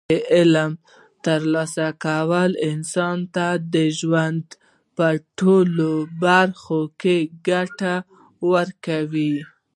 د علم ترلاسه کول انسان ته د ژوند په ټولو برخو کې ګټه ورکوي.